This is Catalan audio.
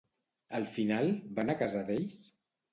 Al final va anar a casa d'ells?